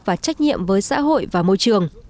và trách nhiệm với xã hội và môi trường